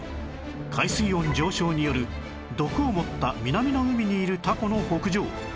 海水温上昇による毒を持った南の海にいるタコの北上